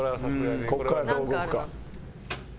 ここからどう動くか。